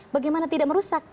bagaimana tidak merusak